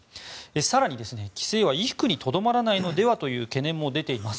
更に、規制は衣服にとどまらないのではという懸念も出ています。